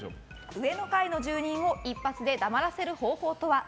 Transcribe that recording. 上の階の住人を一発で黙らせる方法とは？